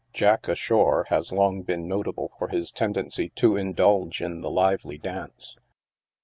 Jack ashore has long been notable for his tendency to indulge in the lively dance.